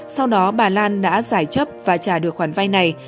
sau đó bà lan đã giải chấp và trả được khoản vay này